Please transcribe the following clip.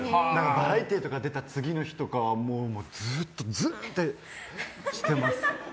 バラエティーとか出た次の日とかはずっと、ずーんってしてます。